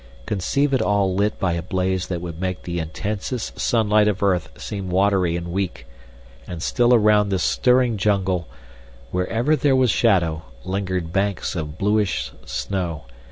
Conceive it all lit by a blaze that would make the intensest sunlight of earth seem watery and weak. And still around this stirring jungle, wherever there was shadow, lingered banks of bluish snow.